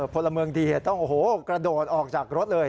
พลเมืองดีต้องโอ้โหกระโดดออกจากรถเลย